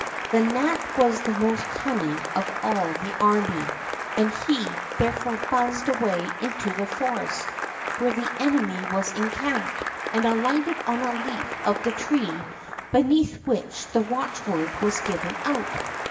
The gnat was the most cunning of all the army, and he, therefore, buzzed away into the forest where the enemy was encamped, and alighted on a leaf of the tree beneath which the watchword was given out.